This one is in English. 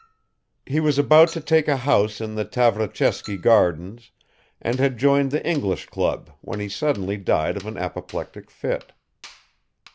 He was about to take a house in the Tavrichesky Gardens, and had joined the English club, when he suddenly died of an apoplectic fit.